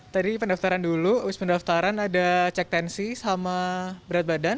tadi pendaftaran dulu wis pendaftaran ada cek tensi sama berat badan